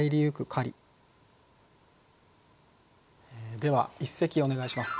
では一席お願いします。